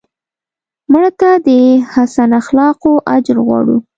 مړه ته د حسن اخلاقو اجر غواړو